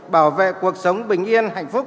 bảo vệ cuộc sống bình yên hạnh phúc